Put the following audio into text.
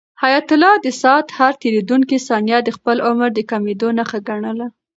حیات الله د ساعت هر تېریدونکی ثانیه د خپل عمر د کمېدو نښه ګڼله.